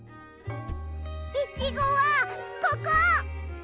いちごはここ。